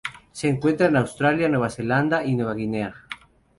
Se encuentran en Australia, Nueva Zelanda y Nueva Guinea.